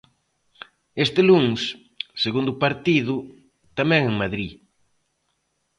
Este luns, segundo partido, tamén en Madrid.